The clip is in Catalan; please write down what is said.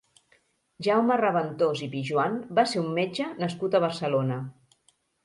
Jaume Raventós i Pijoan va ser un metge nascut a Barcelona.